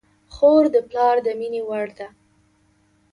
خور د پلار د مینې وړ ده.